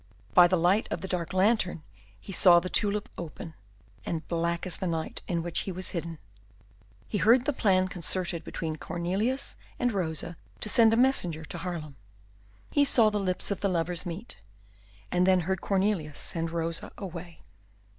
By the light of the dark lantern he saw the tulip open, and black as the night in which he was hidden. He heard the plan concerted between Cornelius and Rosa to send a messenger to Haarlem. He saw the lips of the lovers meet, and then heard Cornelius send Rosa away.